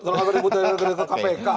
kalau ada ribut dari ibut ke kpk